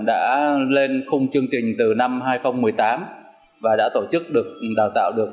đã lên khung chương trình từ năm hai nghìn một mươi tám và đã tổ chức được đào tạo được